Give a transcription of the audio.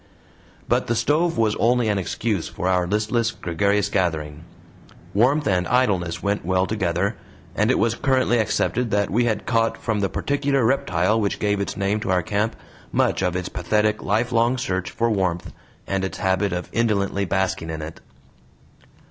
But the stove was only an excuse for our listless, gregarious gathering; warmth and idleness went well together, and it was currently accepted that we had caught from the particular reptile which gave its name to our camp much of its pathetic, lifelong search for warmth, and its habit of indolently basking in it.